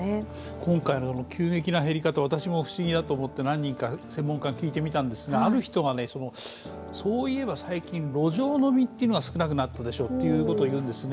今回のような急激な減り方、私も不思議だと思って何人か専門家に聞いてみたんですがある人が、そういえば最近、路上飲みが少なくなったでしょうということを言うんですね。